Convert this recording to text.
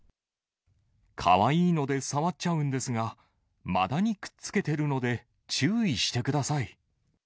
かわいいので触っちゃうんですが、マダニくっつけてるので注意してください！